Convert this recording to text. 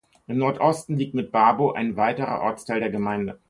Im Nordosten liegt mit Babow ein weiterer Ortsteil der Gemeinde.